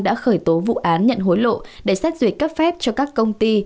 đã khởi tố vụ án nhận hối lộ để xét duyệt cấp phép cho các công ty